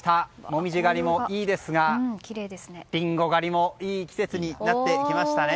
紅葉狩りもいいですがリンゴ狩りもいい季節になってきましたね。